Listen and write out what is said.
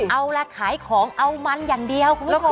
เอาล่ะขายของเอามันอย่างเดียวคุณผู้ชม